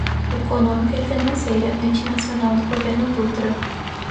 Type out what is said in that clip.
econômica e financeira antinacional do governo Dutra